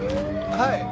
はい。